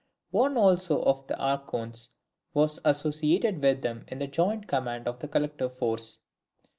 One also of the Archons was associated with them in the joint command of the collective force.